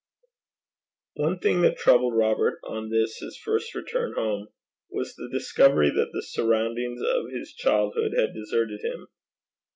One thing that troubled Robert on this his return home, was the discovery that the surroundings of his childhood had deserted him.